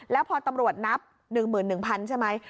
แล้วพอตำรวจนับ๑๑๐๐๐ใช่ไหม